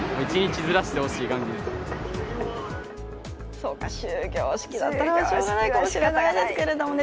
そうか終業式だったらしょうがないかもしれないですけどね。